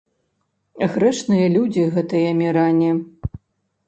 Грэшныя людзі гэтыя міране.